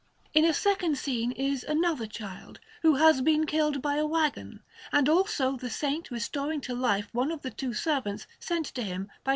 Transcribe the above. In a second scene is another child, who has been killed by a wagon, and also the Saint restoring to life one of the two servants sent to him by S.